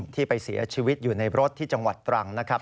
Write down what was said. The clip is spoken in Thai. ที่ไปเสียชีวิตอยู่ในรถที่จังหวัดตรังนะครับ